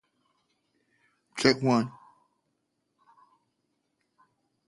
He is an Objectivist and is on the board of the Ayn Rand Institute.